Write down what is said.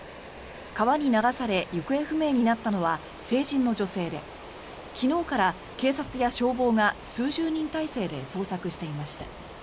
川に流され行方不明になったのは成人の女性で昨日から警察や消防が数十人態勢で捜索していました。